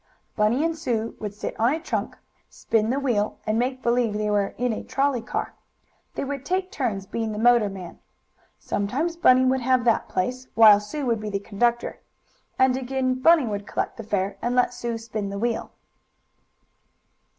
Bunny and Sue would sit on a trunk, spin the wheel, and make believe they were in a trolley car. They would take turns being the motorman. Sometimes Bunny would have that place, while Sue would be the conductor, and again Bunny would collect the fare and let Sue spin the wheel.